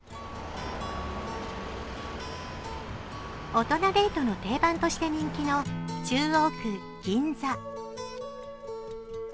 大人デートの定番として人気の中央区銀座。